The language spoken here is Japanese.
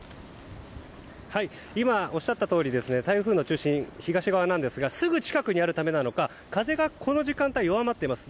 今、おっしゃったとおり台風の中心は東側なんですがすぐ近くにあるためなのか風がこの時間帯弱まっています。